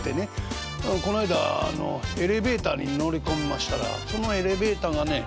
こないだエレベーターに乗り込みましたらそのエレベーターがね